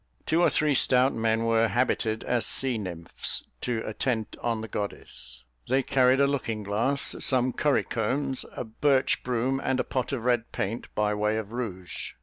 Two or three stout men were habited as sea nymphs, to attend on the goddess: they carried a looking glass, some curry combs, a birch broom, and a pot of red paint, by way of rouge.